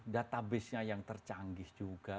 database nya yang tercanggih juga